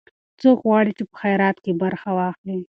څوک غواړي چې په خیرات کې برخه واخلي؟